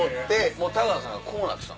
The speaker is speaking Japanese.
もう田川さんがこうなってた。